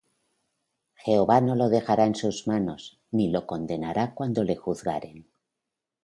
Jehová no lo dejará en sus manos, Ni lo condenará cuando le juzgaren.